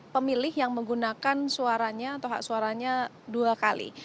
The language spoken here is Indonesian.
pemilih yang menggunakan suaranya atau hak suaranya dua kali